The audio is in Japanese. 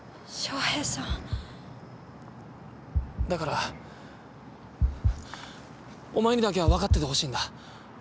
だからお前にだけはわかっていてほしいんだ。